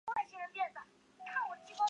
布达佩斯地铁黄线设有塞切尼浴场站。